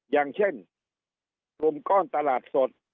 อย่างเช่นกลุ่มก้อนตลาดสด